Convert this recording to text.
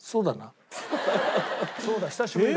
そうだ久しぶりだ。